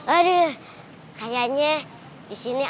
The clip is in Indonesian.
aduh kayaknya disini aman gak ya